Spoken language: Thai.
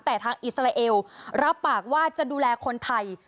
แต่ทางอิสราเอลรับปากว่าจะดูแลคนไทย